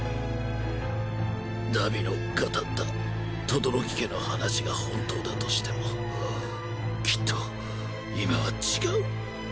荼毘の語った轟家の話が本当だとしてもきっと今は違う。